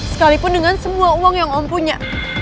sekalipun dengan semua uang yang om punya